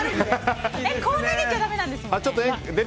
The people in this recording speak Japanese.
こう投げちゃだめです？